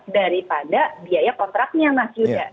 daripada biaya kontraknya mas yuda